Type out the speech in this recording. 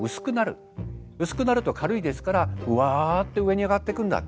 薄くなると軽いですからふわって上に上がっていくんだ。